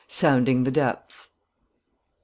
SOUNDING THE DEPTHS.